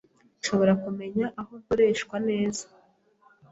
nshobora kumenya aho nkoreshwa neza